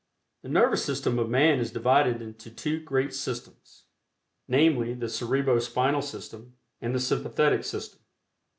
The Nervous System of man is divided into two great systems, viz., the Cerebro Spinal System and the Sympathetic System.